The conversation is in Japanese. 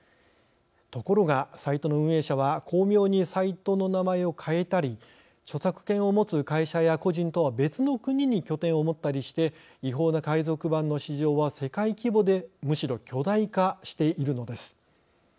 ところがサイトの運営者は巧妙にサイトの名前を変えたり著作権を持つ会社や個人とは別の国に拠点を持ったりして違法な海賊版の市場は世界規模でむしろ巨大化しているのです。